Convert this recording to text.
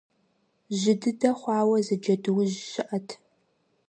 Жьы дыдэ хъуауэ зы Джэдуужь щыӀэт.